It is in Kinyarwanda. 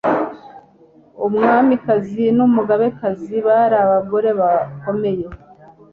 umwamikazi n'umugabekazi bari abagore bakomeye